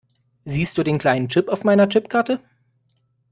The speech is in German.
Siehst du den kleinen Chip auf meiner Chipkarte?